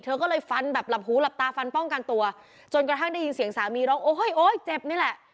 ก็เลยฟันแบบหลับหูหลับตาฟันป้องกันตัวจนกระทั่งได้ยินเสียงสามีร้องโอ๊ยโอ๊ยเจ็บนี่แหละ